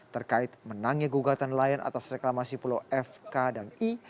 terkait menangnya gugatan layan atas reklamasi pulau f k dan i